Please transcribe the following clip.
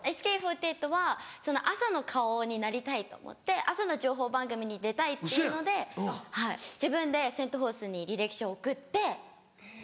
ＳＫＥ４８は朝の顔になりたいと思って朝の情報番組に出たいっていうので自分でセント・フォースに履歴書送って。